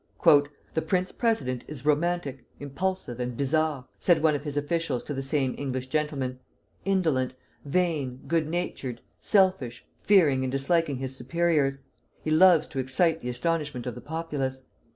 "The prince president is romantic, impulsive, and bizarre," said one of his officials to the same English gentleman, "indolent, vain, good natured, selfish, fearing and disliking his superiors;... he loves to excite the astonishment of the populace.